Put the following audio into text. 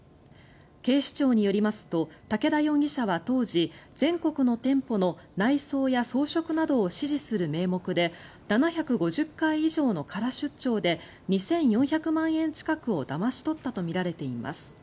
警視庁によりますと武田容疑者は当時、全国の店舗の内装や装飾などを指示する名目で７５０回以上の空出張で２４００万円近くをだまし取ったとみられています。